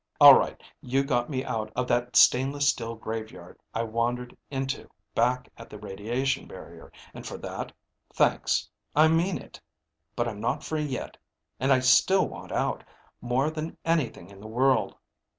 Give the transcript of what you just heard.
All right, you got me out of that stainless steel graveyard I wandered into back at the radiation barrier, and for that, thanks. I mean it. But I'm not free yet. And I still want out, more than anything in the world.